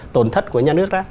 tổn thất của nhà nước ra